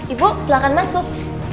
ibu silahkan masuk